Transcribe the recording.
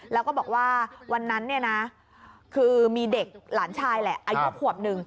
แล้วก็บอกว่าวันนั้นเนี่ยนะคือมีเด็กหลานชายแหละอายุขวบหนึ่ง